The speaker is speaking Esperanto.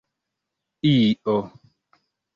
io